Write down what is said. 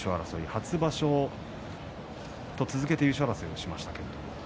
初場所と続けて優勝争いしました。